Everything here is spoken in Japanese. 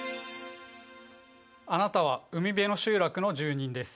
あなたは海辺の集落の住人です。